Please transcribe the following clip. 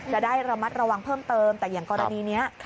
จะได้ระมัดระวังเพิ่มเติมแต่อย่างกรณีนี้